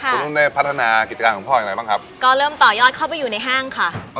คุณนุ่นได้พัฒนากิจการของพ่ออย่างไรบ้างครับก็เริ่มต่อยอดเข้าไปอยู่ในห้างค่ะ